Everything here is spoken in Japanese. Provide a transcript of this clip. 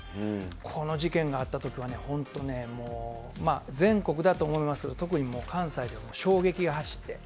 この事件があったとき、本当ね、もう全国だと思いますけれども、特にもう関西では衝撃が走って。